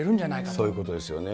そういうことですよね。